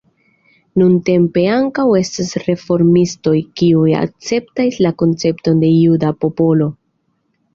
Nuntempe ankaŭ estas reformistoj kiuj akceptas la koncepton de "juda popolo".